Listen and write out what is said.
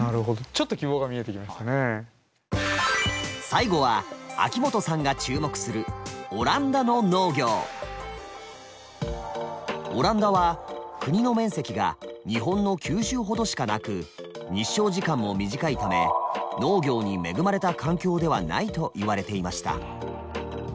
最後は秋元さんが注目するオランダは国の面積が日本の九州ほどしかなく日照時間も短いため農業に恵まれた環境ではないといわれていました。